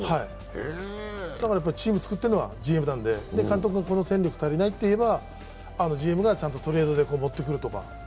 だからチームを作っているのはＧＭなので、監督がこの戦力が足りないと言えばＧＭがトレードで持ってくるとか。